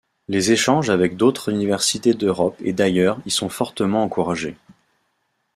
Les échanges avec d'autres universités d'Europe et d'ailleurs y sont fortement encouragés.